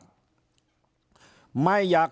ท่านหนูสรเยี่ยมสะอาด